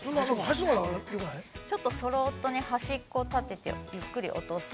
◆ちょっとそろっとね、端っこを立ててゆっくり落とすと。